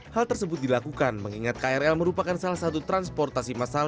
hal tersebut dilakukan mengingat krl merupakan salah satu transportasi masal